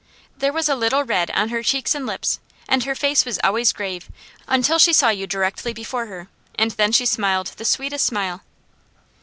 There was a little red on her cheeks and lips, and her face was always grave until she saw you directly before her, and then she smiled the sweetest smile.